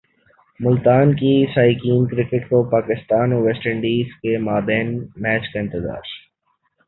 ملتان کے شائقین کرکٹ کو پاکستان اور ویسٹ انڈیز کے مابین میچ کا انتظار